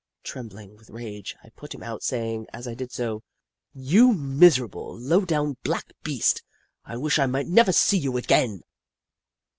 Trembling with rage, I put him out, saying, as I did so : "You miserable, low down, black beast, I wish I might never see you again